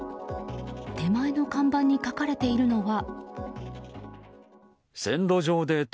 手前の看板に書かれているのは。